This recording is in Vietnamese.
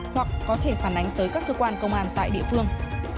hoặc có thể phản ánh tới các cơ quan công an tại địa phương